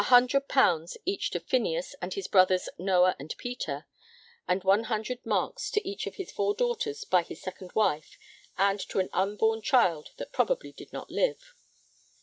_ each to Phineas and his brothers Noah and Peter; and 100 marks to each of his four daughters by his second wife and to an unborn child that probably did not live.